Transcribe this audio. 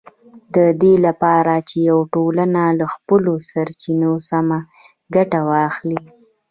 د دې لپاره چې یوه ټولنه له خپلو سرچینو سمه ګټه واخلي